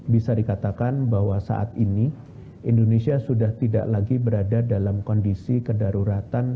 bisa dikatakan bahwa saat ini indonesia sudah tidak lagi berada dalam kondisi kedaruratan